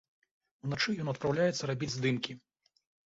Уначы ён адпраўляецца рабіць здымкі.